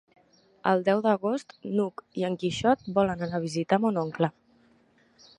El deu d'agost n'Hug i en Quixot volen anar a visitar mon oncle.